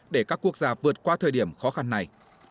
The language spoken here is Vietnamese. để các quốc gia vượt qua thời điểm khó khăn này